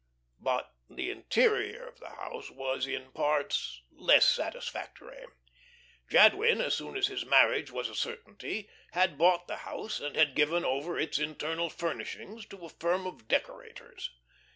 But the interior of the house was, in parts, less satisfactory. Jadwin, so soon as his marriage was a certainty, had bought the house, and had given over its internal furnishings to a firm of decorators.